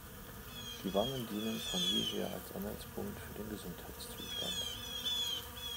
Die Wangen dienen von jeher als Anhaltspunkt für den Gesundheitszustand.